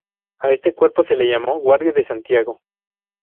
A este cuerpo se le llamó "Guardia de Santiago".